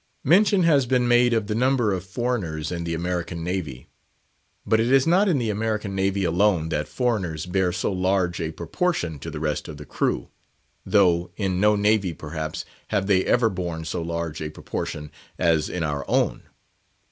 Mention has been made of the number of foreigners in the American Navy; but it is not in the American Navy alone that foreigners bear so large a proportion to the rest of the crew, though in no navy, perhaps, have they ever borne so large a proportion as in our own.